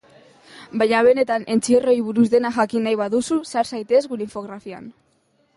Baina benetan entzierroei buruz dena jakin nahi baduzu, sar zaitez gure infografian.